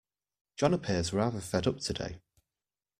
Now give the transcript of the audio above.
John appears rather fed up today